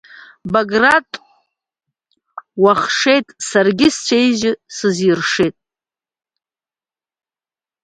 Баграт уахшеит, саргьы сацәеижьны сызиршеит.